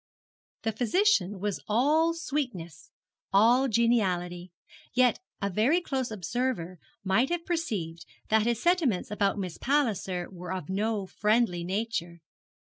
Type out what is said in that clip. The physician was all sweetness, all geniality; yet a very close observer might have perceived that his sentiments about Miss Palliser were of no friendly nature.